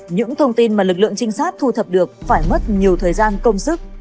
những thông tin mà lực lượng trinh sát thu thập được phải mất nhiều thời gian công sức